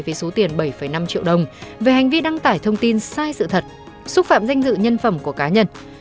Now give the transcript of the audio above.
với số tiền bảy năm triệu đồng về hành vi đăng tải thông tin sai sự thật xúc phạm danh dự nhân phẩm của cá nhân